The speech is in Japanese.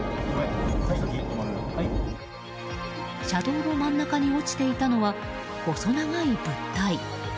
車道の真ん中に落ちていたのは細長い物体。